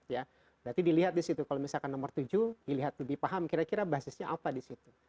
berarti dilihat di situ kalau misalkan nomor tujuh dilihat lebih paham kira kira basisnya apa di situ